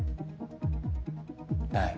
ない。